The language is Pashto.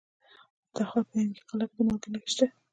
د تخار په ینګي قلعه کې د مالګې نښې شته.